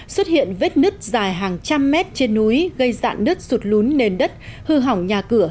xuất hiện vết nứt dài hàng trăm mét trên núi gây dạn nứt sụt lún nền đất hư hỏng nhà cửa